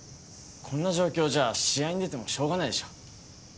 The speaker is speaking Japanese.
こんな状況じゃ試合に出てもしょうがないでしょ。